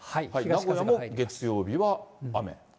名古屋も月曜日は雨。